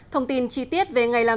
thông tin chi tiết về ngày lần sau